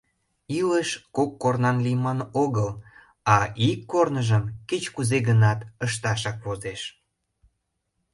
— Илыш кок корнан лийман огыл, а ик корныжым кеч-кузе гынат ышташак возеш.